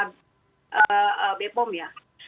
bapak bpom ya